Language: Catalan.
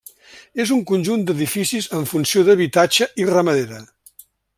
És un conjunt d'edificis amb funció d'habitatge i ramadera.